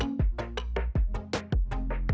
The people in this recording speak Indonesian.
kepala penelitian bintang bintang